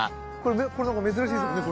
これなんか珍しいですもんね？